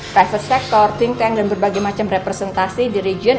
private sector think tank dan berbagai macam representasi di region